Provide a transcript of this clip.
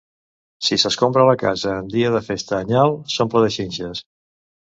Si s'escombra la casa en dia de festa anyal, s'omple de xinxes.